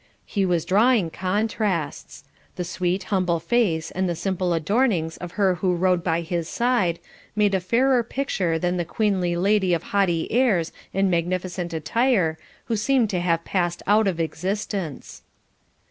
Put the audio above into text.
He was drawing contrasts; the sweet humble face and the simple adornings of her who rode by his side, made a fairer picture than the queenly lady of haughty airs and magnificent attire, who seemed to have passed out of existence.